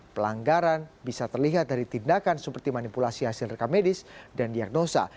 pelanggaran bisa terlihat dari tindakan seperti manipulasi hasil rekamedis dan diagnosa